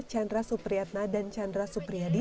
chandra supriyatna dan chandra supriyadi